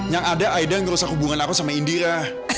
yang ada aida yang merusak hubungan aku sama indira